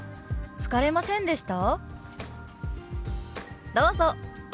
「疲れませんでした？」。